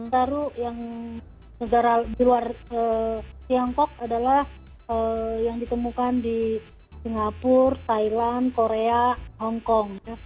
lalu yang di luar siangkok adalah yang ditemukan di singapura thailand korea hongkong